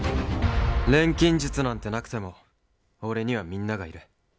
錬金術なんてなくても俺には、みんながいる。